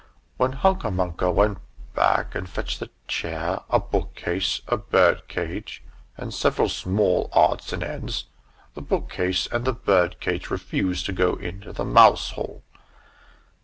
Then Hunca Munca went back and fetched a chair, a book case, a bird cage, and several small odds and ends. The book case and the bird cage refused to go into the mousehole.